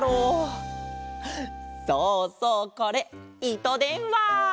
そうそうこれいとでんわ！